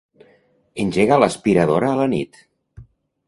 Engega l'aspiradora a la nit.